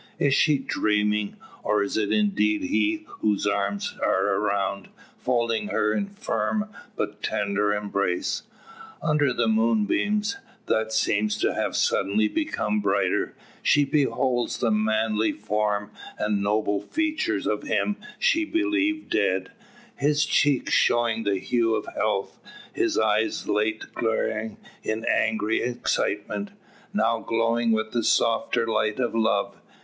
Is she dreaming? Or is it indeed he whose arms are around, folding her in firm but tender embrace? Under the moonbeams, that seem to have suddenly become brighter, she beholds the manly form and noble features of him she believed dead, his cheeks showing the hue of health, his eyes late glaring in angry excitement, now glowing with the softer light of love.